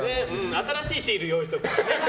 新しいシール用意しとくからね。